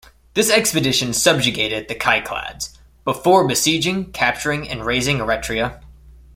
This expedition subjugated the Cyclades, before besieging, capturing and razing Eretria.